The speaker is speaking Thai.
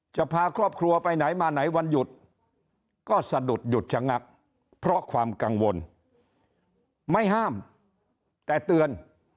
จะพาครอบครัวไปไหนมาไหนวันหยุดก็สะดุดหยุดชะงักเพราะความกังวลไม่ห้ามแต่เตือน